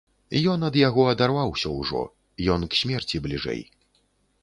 Ён ад яго адарваўся ўжо, ён к смерці бліжэй.